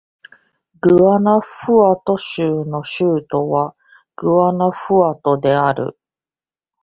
グアナフアト州の州都はグアナフアトである